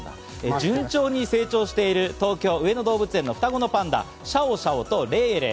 順調に成長している東京・上野動物園の双子パンダ、シャオシャオとレイレイ。